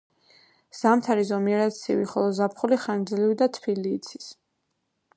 ზამთარი ზომიერად ცივი, ხოლო ზაფხული ხანგრძლივი და თბილი იცის.